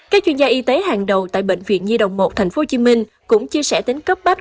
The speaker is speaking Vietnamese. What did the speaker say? các chuyên gia y tế hàng đầu tại bệnh viện nhi đồng một tp hcm cũng chia sẻ tính cấp bách